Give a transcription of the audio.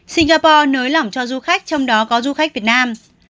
singapore nới lỏng cho du khách trong đó có du khách việt nam